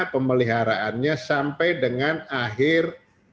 pemeliharaannya sampai dengan akhir dua ribu dua puluh satu